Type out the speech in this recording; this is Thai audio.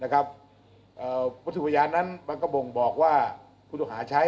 คนถูกบรรยานนั้นมันกระบงบอกว่าผู้ต้องหาใช้